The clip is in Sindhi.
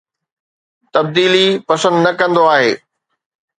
تبديلي پسند نه ڪندو آھي